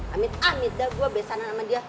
amit amit dah gue besanan sama dia